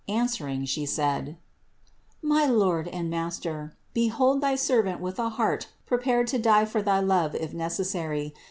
Answering, She said: "My Lord and Master, behold thy servant with a heart prepared to die for thy love if necessary.